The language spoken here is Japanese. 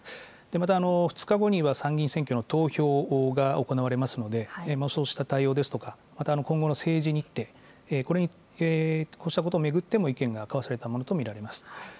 また、２日後には参議院選挙の投票が行われますので、そうした対応ですとか、また今後の政治日程、こうしたことを巡っても意見が交わされたものと見られます。